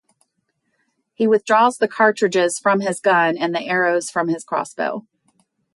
He withdraws the cartridges from his gun and the arrows from his crossbow.